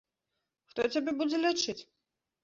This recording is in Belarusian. Хто цябе будзе лячыць?